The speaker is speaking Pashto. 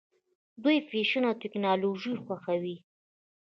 دوی فیشن او ټیکنالوژي خوښوي.